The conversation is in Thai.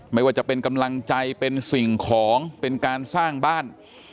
ไม่ว่าจะเป็นกำลังใจเป็นสิ่งของเป็นการสร้างบ้าน